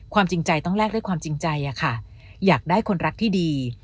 จริงใจต้องแลกด้วยความจริงใจอะค่ะอยากได้คนรักที่ดี